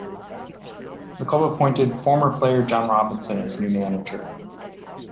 The club appointed former player Jon Robinson as new manager.